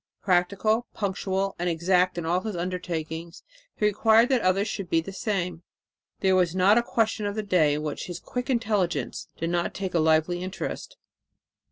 Practical, punctual and exact in all his undertakings, he required that others should be the same. There was not a question of the day in which his quick intelligence did not take a lively interest.